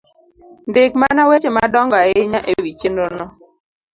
Ndik mana weche madongo ahinya e wi chenro no